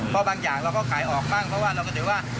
เพราะบางอย่างเราก็ขายออกบ้างเพราะว่าเราก็ถือว่า